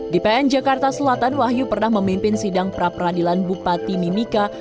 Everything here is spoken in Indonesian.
di pn jakarta selatan wahyu pernah memimpin sidang pra peradilan bupati mimika